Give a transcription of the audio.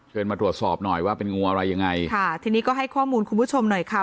มาตรวจสอบหน่อยว่าเป็นงูอะไรยังไงค่ะทีนี้ก็ให้ข้อมูลคุณผู้ชมหน่อยค่ะ